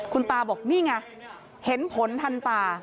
คุณตาบอกนี่ไงเห็นผลทันตา